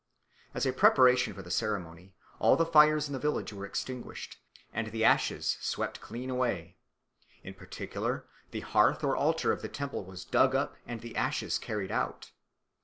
As a preparation for the ceremony, all the fires in the village were extinguished, and the ashes swept clean away. In particular, the hearth or altar of the temple was dug up and the ashes carried out.